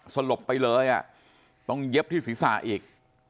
สลบไปเลยต้องเย็บที่ศีรษะอีก